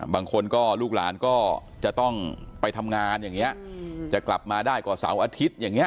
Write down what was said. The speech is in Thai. บางคนก็ลูกหลานก็จะต้องไปทำงานอย่างนี้จะกลับมาได้กว่าเสาร์อาทิตย์อย่างนี้